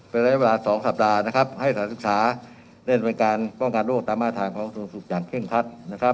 ไปได้เวลา๒สัปดาห์ให้สถานศึกษาเล่นบริการป้องกันโรคตามมาตรางของโรคสูงสุขอย่างเคร่งพัด